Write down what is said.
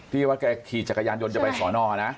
ที่ว่าแกขี่จักรยานยนต์จะไปสอนอนะ